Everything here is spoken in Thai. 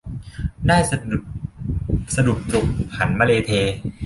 ได้สดุบตรุบหันมะเลเท